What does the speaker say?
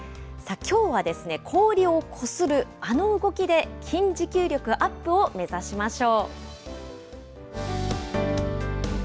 きょうはですね、氷をこするあの動きで、筋持久力アップを目指しましょう。